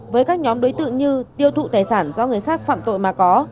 với các nhóm đối tượng như tiêu thụ tài sản do người khác phạm tội mà có